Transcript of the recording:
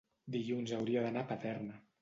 Dilluns hauria d'anar a Paterna.